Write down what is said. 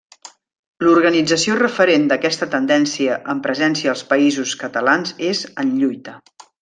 L'organització referent d'aquesta tendència amb presència als Països Catalans és En lluita.